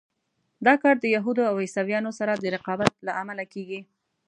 دا کار د یهودو او عیسویانو سره د رقابت له امله کېږي.